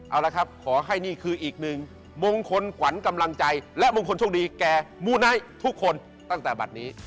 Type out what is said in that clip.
เอาละครับขอให้นี่คืออีกหนึ่งมงคลขวัญกำลังใจและมงคลโชคดีแก่มูไนท์ทุกคนตั้งแต่บัตรนี้